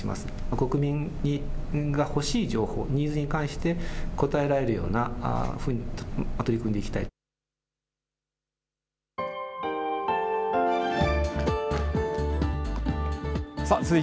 国民が欲しい情報、ニーズに関して、こたえられるように取り組んでいきたい。